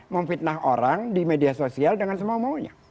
memfitnah orang di media sosial dengan semau maunya